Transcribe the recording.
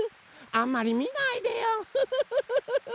あんまりみないでよフフフフフ！